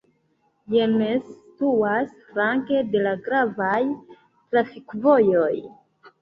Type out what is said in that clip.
Jens situas flanke de la gravaj trafikvojoj.